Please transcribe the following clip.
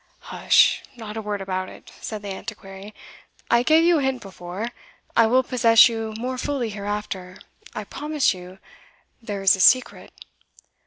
"Hush! not a word about it," said the Antiquary. "I gave you a hint before I will possess you more fully hereafter I promise you, there is a secret."